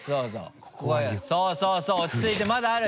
そうそう落ちついてまだある！